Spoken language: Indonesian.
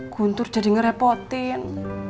guntur jadi ngerepotin